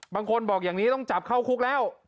บางคนบอกอย่างนี้ต้องจับเข้าคุกแล้ว